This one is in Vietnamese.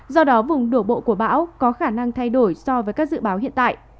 do đó vùng đổ bộ của bão có khả năng thay đổi so với các dự báo hiện tại